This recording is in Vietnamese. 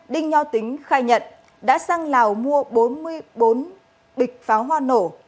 đinh nho tính khai nhận đã sang lào mua bốn mươi bốn bịch pháo hoa nổ